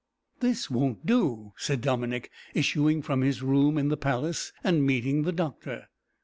"This won't do," said Dominick, issuing from his room in the palace, and meeting the doctor.